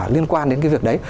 liên quan đến cái việc đấy